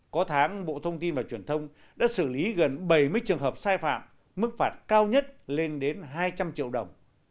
có tháng bộ thông tin và truyền thông đã xử lý gần bảy mươi trường hợp sai phạm mức phạt cao nhất lên đến hai trăm linh triệu đồng